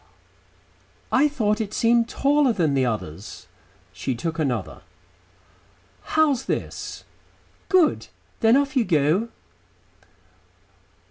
"I thought it seemed taller than the others." She took another. "How's this? Good. Then off you go."